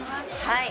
はい。